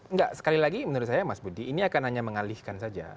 enggak sekali lagi menurut saya mas budi ini akan hanya mengalihkan saja